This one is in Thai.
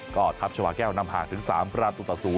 ก็ทัพชาวาแก้วนำห่างถึง๓ประตูต่อ๐